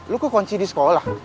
lo kekunci di sekolah